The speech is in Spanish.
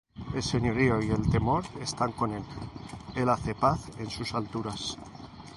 El señorío y el temor están con él: El hace paz en sus alturas.